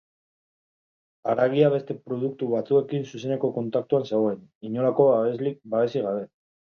Haragia beste produktu batzuekin zuzeneko kontaktuan zegoen, inolako babesik gabe.